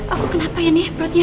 aku kenapa ya nih perutnya